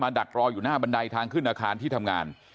ดักรออยู่หน้าบันไดทางขึ้นอาคารที่ทำงาน